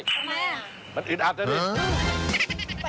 ทำไมอ่ะมันอึ๊ดอับได้